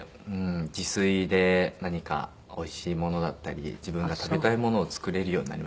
自炊で何かおいしいものだったり自分が食べたいものを作れるようになりましたね。